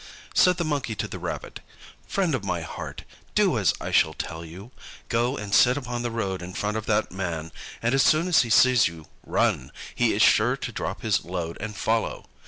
Said the Monkey to the Rabbit, "Friend of my heart, do as I shall tell you. Go and sit upon the road in front of that man, and as soon as he sees you, run he is sure to drop his load and follow.